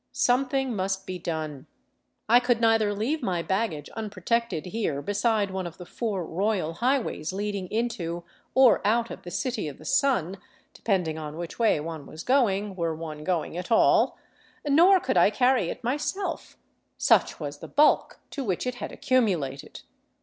Something must be done. I could neither leave my baggage unprotected here beside one of the four royal high ways leading into, or out of the City of the Sun — depending on which •way one was going, were one going at all — nor could I carry it my self, such was the bulk to which it had accumulated.